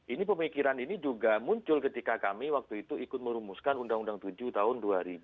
ini pemikiran ini juga muncul ketika kami waktu itu ikut merumuskan undang undang tujuh tahun dua ribu dua